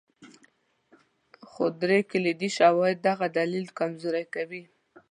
خو درې کلیدي شواهد دغه دلیل کمزوری کوي.